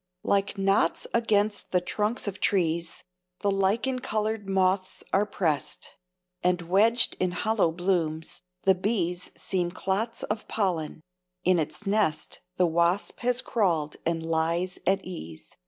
Like knots against the trunks of trees The lichen colored moths are pressed; And, wedged in hollow blooms, the bees Seem clots of pollen; in its nest The wasp has crawled and lies at ease.